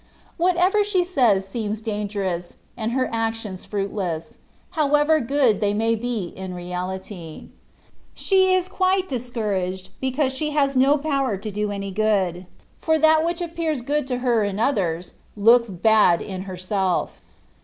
Whatever she says seems dangerous, and her ac tions fruitless, however good they may in reality be. She is quite discouraged, because she has no power to do any good, for that which appears good to her in others, looks bad in herself.